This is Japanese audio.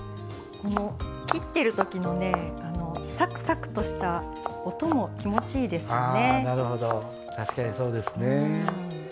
切ってるときのサクサクとした音も気持ちいいですね。